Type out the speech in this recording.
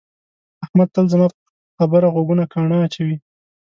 احمد تل زما پر خبره غوږونه ګاڼه اچوي.